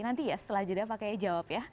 nanti ya setelah jadinya pak kiai jawab ya